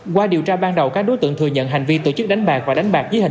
qua điều tra ban đầu các đối tượng thừa nhận hành vi tổ chức đánh bạc và đánh bạc dưới hình